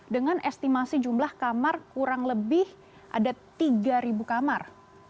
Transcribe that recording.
dengan estimasi jumlah kamar kurang lebih ada tiga kamar